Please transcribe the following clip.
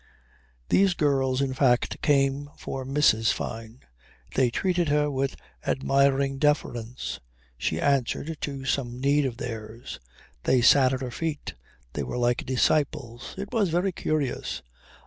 These girls in fact came for Mrs. Fyne. They treated her with admiring deference. She answered to some need of theirs. They sat at her feet. They were like disciples. It was very curious.